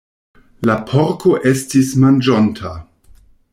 La porko estis manĝonta.